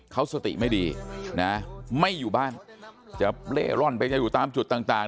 เขาสติไม่ดีนะไม่อยู่บ้านจะเล่ร่อนไปจะอยู่ตามจุดต่าง